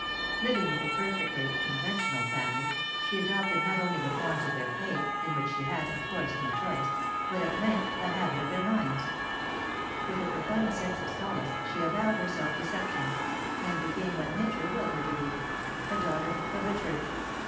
Living with a perfectly conventional family, she adopted not only the forms of their faith in which she had, of course, no choice but at length the habit of their minds; with a profound sense of solace, she avowed her self deceptions, and became what nature willed her to be a daughter of the Church.